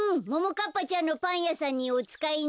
かっぱちゃんのパンやさんにおつかいに。